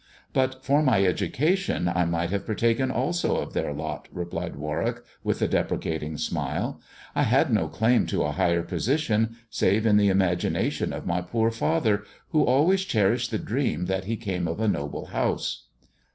" But for my education I might have partaken also of their lot," replied Warwick, with a deprecating smile. I had no claim to a higher position, save in the imagination of my poor father, who always cherished the dream that he came of a noble house."